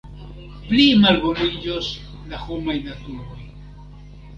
Plimalboniĝos la homaj naturoj.